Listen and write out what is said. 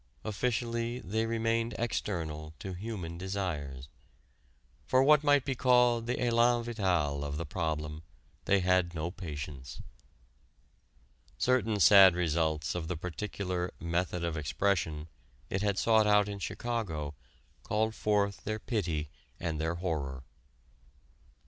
Officially they remained external to human desires. For what might be called the élan vital of the problem they had no patience. Certain sad results of the particular "method of expression" it had sought out in Chicago called forth their pity and their horror.